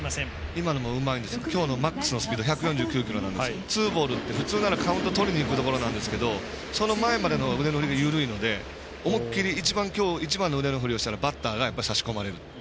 今日のマックスのスピード１４９キロなんですがツーボールって、普通ならカウントとりにいくところなんですがその前までの腕の振りが緩いので今日一番の腕の振りをしたらバッターが差し込まれる。